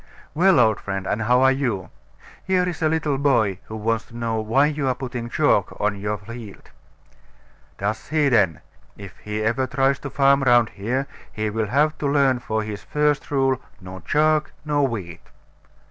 Well, old friend, and how are you? Here is a little boy who wants to know why you are putting chalk on your field. Does he then? If he ever tries to farm round here, he will have to learn for his first rule No chalk, no wheat.